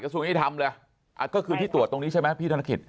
กระทรวงอินทรรมเลยอ่ะก็คือที่ตรวจตรงนี้ใช่ไหมพี่ธนคิด